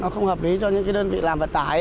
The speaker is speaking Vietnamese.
không hợp lý cho những đơn vị làm vận tải